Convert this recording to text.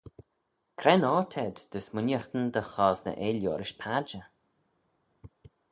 Cre'n oyr t'ayd dy smooinaghtyn dy chosney eh liorish padjer?